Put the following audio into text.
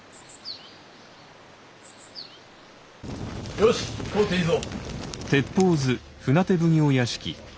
よし通っていいぞ。